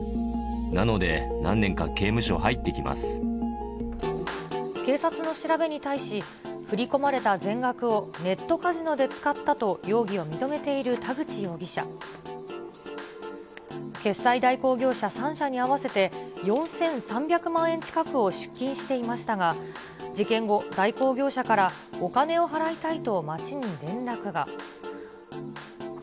なので、警察の調べに対し、振り込まれた全額をネットカジノで使ったと、容疑を認めている田口容疑者。決済代行業者３社に合わせて、４３００万円近くを出金していましたが、事件後、代行業者からお金を払いたいと町に連絡が。